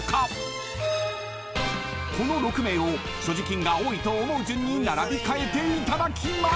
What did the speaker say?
［この６名を所持金が多いと思う順に並び替えていただきます］